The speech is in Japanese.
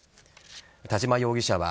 田嶋容疑者は